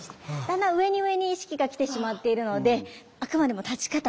だんだん上に上に意識がきてしまっているのであくまでも立ち方。